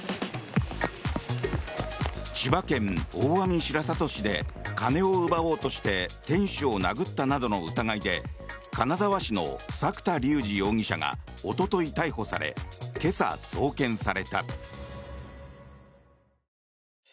千葉県大網白里市で金を奪おうとして店主を殴ったなどの疑いで金沢市の作田竜二容疑者がおととい逮捕され今朝、送検された。